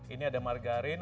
ini ada margarin